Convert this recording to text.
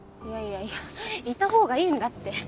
いやいやいやいたほうがいいんだって。